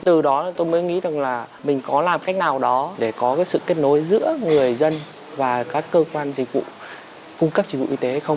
từ đó tôi mới nghĩ rằng là mình có làm cách nào đó để có cái sự kết nối giữa người dân và các cơ quan dịch vụ cung cấp dịch vụ y tế hay không